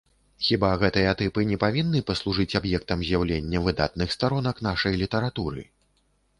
Хіба гэтыя тыпы не павінны паслужыць аб'ектам з'яўлення выдатных старонак нашай літаратуры?